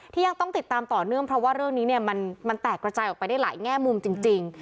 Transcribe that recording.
ยังต้องติดตามต่อเนื่องเพราะว่าเรื่องนี้เนี่ยมันแตกระจายออกไปได้หลายแง่มุมจริง